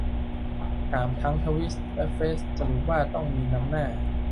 ถามทั้งทวิตและเฟซ สรุปว่า ต้องมี นำหน้า